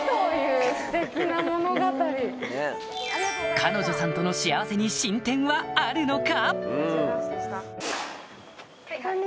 彼女さんとの幸せに進展はあるのか？